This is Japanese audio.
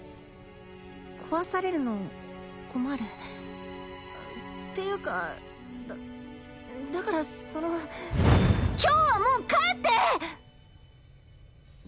壊されるの困るっていうかだからその今日はもう帰って！